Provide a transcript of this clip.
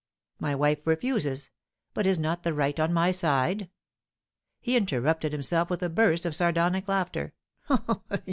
My wife refuses, but is not the right on my side?" he interrupted himself, with a burst of sardonic laughter.